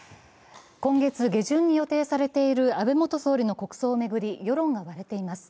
今月下旬に予定されている安倍元総理の国葬を巡り、世論が割れています。